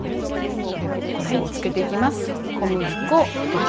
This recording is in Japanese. では衣をつけていきます。